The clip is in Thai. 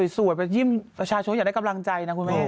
สวยไปยิ้มประชาชนอยากได้กำลังใจนะคุณแม่